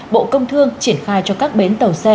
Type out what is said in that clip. bộ công thương triển khai cho các bến tàu xe